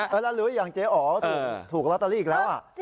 แล้วรู้อย่างเจ๊อ๋อถูกลอตเตอรี่อีกแล้ว